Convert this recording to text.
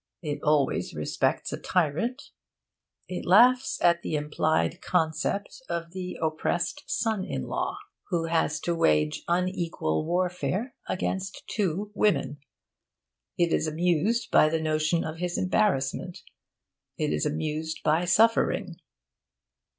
It always respects a tyrant. It laughs at the implied concept of the oppressed son in law, who has to wage unequal warfare against two women. It is amused by the notion of his embarrassment. It is amused by suffering.